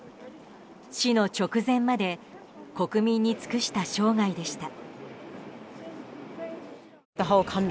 死の直前まで国民に尽くした生涯でした。